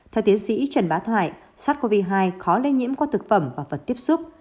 theo tiến sĩ trần bá thoại sars cov hai khó lây nhiễm qua thực phẩm và vật tiếp xúc